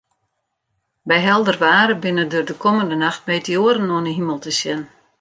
By helder waar binne der de kommende nacht meteoaren oan 'e himel te sjen.